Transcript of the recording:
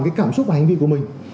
cái cảm xúc và hành vi của mình